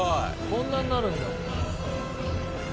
こんなになるんだ。